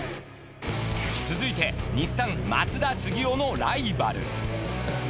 続いてニッサン松田次生のライバル。